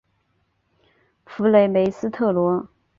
弗雷梅斯特罗。